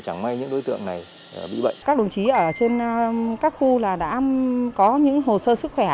chẳng may những đối tượng này bị bệnh các đồng chí ở trên các khu là đã có những hồ sơ sức khỏe